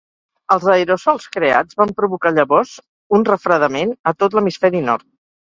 Els aerosols creats van provocar llavors un refredament a tot l'Hemisferi nord.